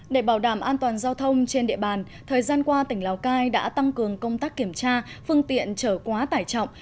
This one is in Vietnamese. để bảo đảm an toàn giao thông trên địa bàn thời gian qua tỉnh lào cai đã tăng cường công tác kiểm tra phương tiện trở quá tải trọng